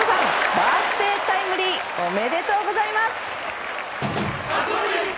バースデータイムリーおめでとうございます！